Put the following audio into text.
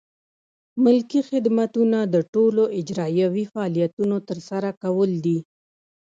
ملکي خدمتونه د ټولو اجرایوي فعالیتونو ترسره کول دي.